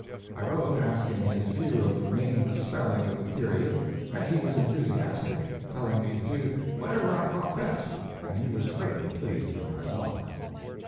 I wrote asking his view of making the spelling of the period and he was enthusiastic telling me to do whatever I thought best and he was greatly pleased with the result."